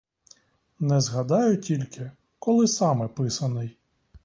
Не згадаю тільки, коли саме писаний.